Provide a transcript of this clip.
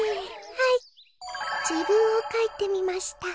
はいじぶんをかいてみました。